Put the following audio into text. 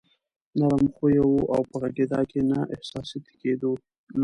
نرم خويه وو او په غږېدا کې نه احساساتي کېدلو.